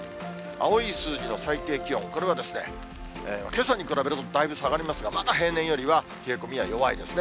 青い数字の最低気温、これはけさに比べるとだいぶ下がりますが、まだ平年よりは冷え込みは弱いですね。